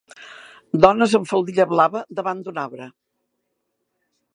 Dones amb faldilla blava davant d'un arbre